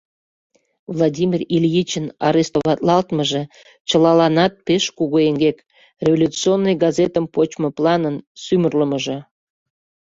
Владимир Ильичын арестоватлалтмыже — чылаланат пеш кугу эҥгек, революционный газетым почмо планын сӱмырлымыжӧ.